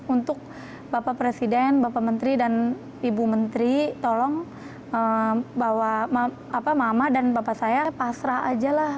untuk bapak presiden bapak menteri dan ibu menteri tolong bawa mama dan bapak saya pasrah aja lah